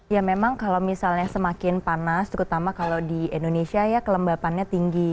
ya memang kalau misalnya semakin panas terutama kalau di indonesia ya kelembapannya tinggi